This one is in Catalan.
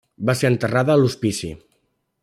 Va ser enterrada a l'hospici.